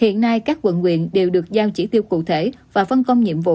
hiện nay các quận nguyện đều được giao chỉ tiêu cụ thể và phân công nhiệm vụ